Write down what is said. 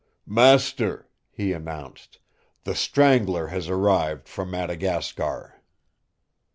"Master," he announced, "the Strangler has arrived from Madagascar."